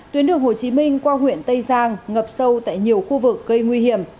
tuyến đường hồ chí minh qua huyện tây giang ngập sâu tại nhiều khu vực gây nguy hiểm